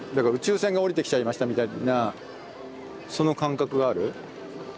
宇宙船がおりてきちゃいましたみたいなその感覚がある。